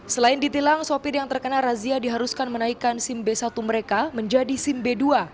selain ditilang sopir yang terkena razia diharuskan menaikkan sim b satu mereka menjadi sim b dua